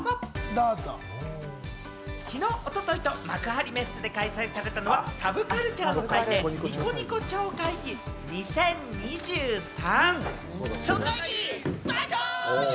昨日、一昨日と幕張メッセで開催されたのはサブカルチャーの祭典・ニコニコ超会議２０２３。